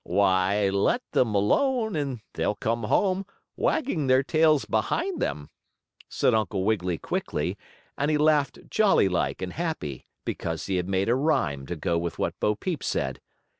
"Why, let them alone, and they'll come home, wagging their tails behind them," said Uncle Wiggily quickly, and he laughed jolly like and happy, because he had made a rhyme to go with what Bo Peep said.